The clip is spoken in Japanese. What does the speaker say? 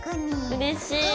うれしい。